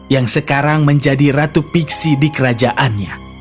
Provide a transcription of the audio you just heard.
yang sekarang menjadi ratu piksi di kerajaannya